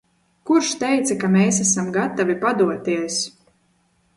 Kurš teica, ka mēs esam gatavi padoties?